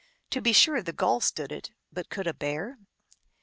To be sure the Gull stood it, but could a Bear?